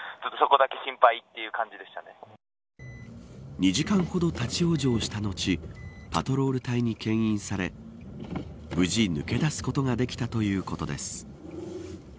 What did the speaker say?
２時間ほど立ち往生した後パトロール隊に、けん引され無事、抜け出すことができたということです。